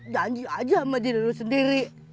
janji aja sama diri sendiri